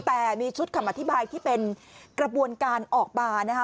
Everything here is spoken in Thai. แต่มีชุดคำอธิบายที่เป็นกระบวนการออกมานะคะ